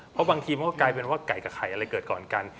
เพราะบางทีมันก็กลายเป็นว่าไก่กับไข่อะไรเกิดก่อนกัน